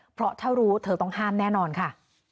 เพราะถ้ารู้เธอต้องห้ามแน่นอนค่ะ